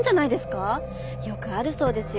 よくあるそうですよ